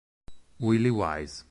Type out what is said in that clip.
Willie Wise